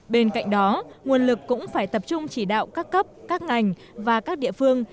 bên cạnh đó nguồn lực cũng phải tập trung chỉ đạo các cấp các ngành và các địa phương